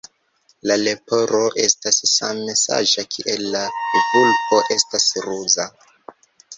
La leporo estas same saĝa kiel la vulpo estas ruza.